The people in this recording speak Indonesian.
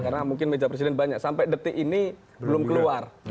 karena mungkin meja presiden banyak sampai detik ini belum keluar